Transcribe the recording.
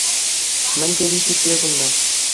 Мӗн тери хитре кунта!